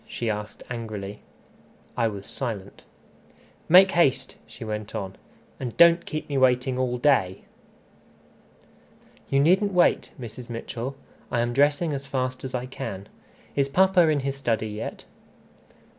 she asked angrily. I was silent. "Make haste," she went on, "and don't keep me waiting all day." "You needn't wait, Mrs. Mitchell. I am dressing as fast as I can. Is papa in his study yet?"